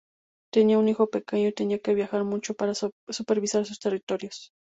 Tenía un hijo pequeño, y tenía que viajar mucho para supervisar sus territorios.